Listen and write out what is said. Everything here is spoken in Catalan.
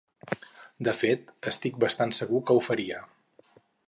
De fet, estic bastant segur que ho faria.